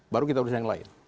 baru kita urusan yang lain